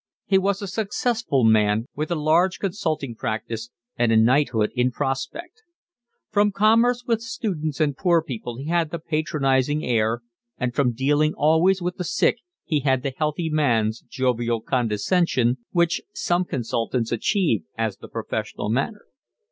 He was a successful man, with a large consulting practice and a knighthood in prospect. From commerce with students and poor people he had the patronising air, and from dealing always with the sick he had the healthy man's jovial condescension, which some consultants achieve as the professional manner.